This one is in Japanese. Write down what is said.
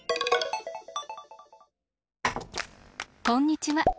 こんにちは！